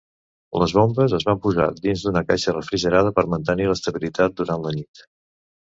Les bombes es van posar dins d'una caixa refrigerada per mantenir l'estabilitat durant la nit.